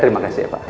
terima kasih pak